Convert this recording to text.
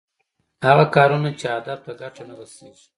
هغه کارونه چې هدف ته ګټه نه رسېږي.